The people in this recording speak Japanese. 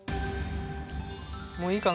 もういいかな。